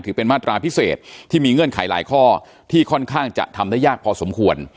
เป็นมาตราพิเศษที่มีเงื่อนไขหลายข้อที่ค่อนข้างจะทำได้ยากพอสมควร